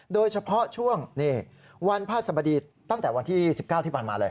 โดยเฉพาะช่วงนี่วันพระสบดีตั้งแต่วันที่๑๙ที่ผ่านมาเลย